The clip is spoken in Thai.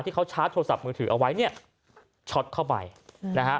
ที่เขาชาร์จโทรศัพท์มือถือเอาไว้เนี่ยช็อตเข้าไปนะฮะ